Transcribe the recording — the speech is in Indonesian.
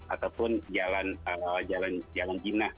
ataupun jalan jina